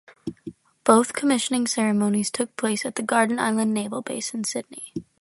Both commissioning ceremonies took place at the Garden Island naval base in Sydney.